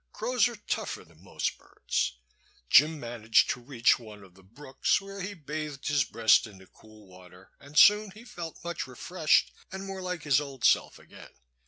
Crows are tougher than most birds. Jim managed to reach one of the brooks, where he bathed his breast in the cool water, and soon he felt much refreshed and more like his old self again.